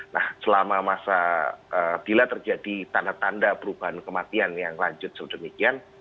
nah selama masa bila terjadi tanda tanda perubahan kematian yang lanjut sedemikian